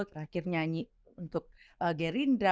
terakhir nyanyi untuk gerindra